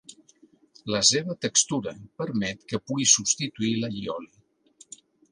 La seva textura permet que pugui substituir l'allioli.